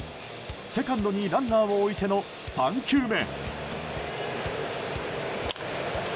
セカンドにランナーを置いての３球目。